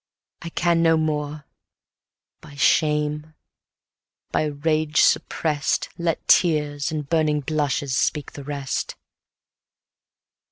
I can no more; by shame, by rage suppress'd, Let tears and burning blushes speak the rest.